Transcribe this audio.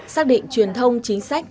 xác định truyền thông chính sách